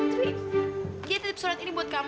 tristan dia tetep surat ini buat kamu